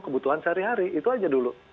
kebutuhan sehari hari itu aja dulu